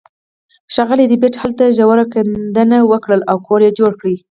ښاغلي ربیټ هلته ژور کیندل وکړل او کور یې جوړ کړ